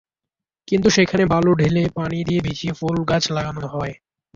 কিন্তু সেখানেও বালু ঢেলে পানি দিয়ে ভিজিয়ে ফুল গাছ লাগানো হয়।